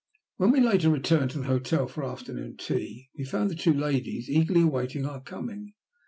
When later we returned to the hotel for afternoon tea, we found the two ladies eagerly awaiting our coming.